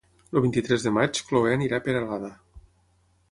El vint-i-tres de maig na Cloè anirà a Peralada.